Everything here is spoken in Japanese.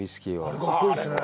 あれ、かっこいいですね。